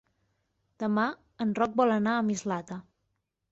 Demà en Roc vol anar a Mislata.